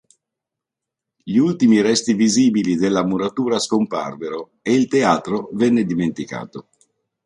Gli ultimi resti visibili della muratura scomparvero e il teatro venne dimenticato.